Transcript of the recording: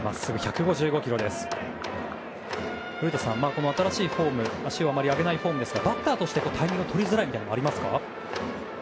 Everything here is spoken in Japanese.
古田さん、新しいフォーム足をあまり上げないフォームですがバッターとしてタイミングをとりづらいことはありますか？